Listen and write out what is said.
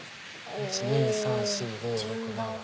１・２・３・４・５・６・７。